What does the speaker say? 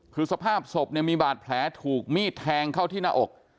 คือสภาพศพเนี่ยมีบาดแผลถูกมีดแทงเข้าที่หน้าอก